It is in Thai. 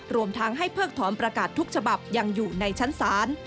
รวมทั้งให้เพิกถอนประกาศทุกฉบับยังอยู่ในชั้นศาล